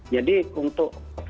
kita dilakukan untuk penyakit